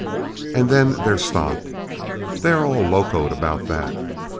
"And then their stock they are all locoed about that.